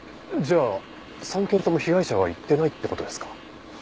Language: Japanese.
じゃあ３軒とも被害者は行ってないって事ですか？